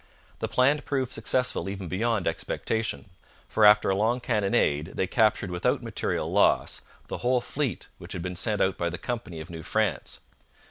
The plan proved successful even beyond expectation, for after a long cannonade they captured without material loss the whole fleet which had been sent out by the Company of New France.